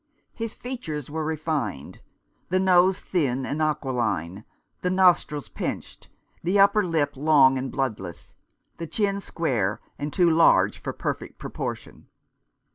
His features were refined, the nose thin and aquiline, the nostrils pinched, the upper lip long and bloodless, the chin square, and too large for perfect proportion.